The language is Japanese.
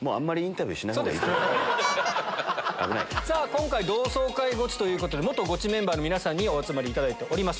今回同窓会ゴチということで元ゴチメンバーの皆さんにお集まりいただいております。